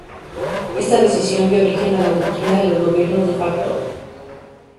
Esta decisión dio origen a la doctrina de los gobiernos de facto.